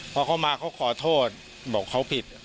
พอเขามาเขาขอโทษบอกเขาผิด